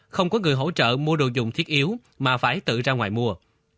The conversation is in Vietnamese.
không có người hỗ trợ mua đồ dùng thiết yếu mà phải tự ra ngoài mua